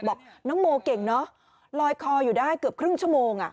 บอกน้องโมเก่งเนอะลอยคออยู่ได้เกือบครึ่งชั่วโมง